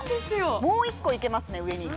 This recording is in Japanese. もう１個行けますね上に。